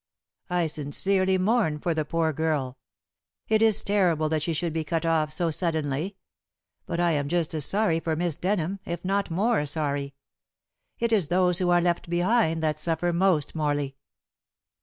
"I sincerely mourn for the poor girl. It is terrible that she should be cut off so suddenly. But I am just as sorry for Miss Denham, if not more sorry. It is those who are left behind that suffer most, Morley."